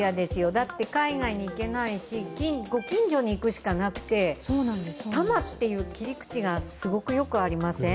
海外に行けないし、御近所に行くしかなくて多摩ってい切り口がすごくよくありません？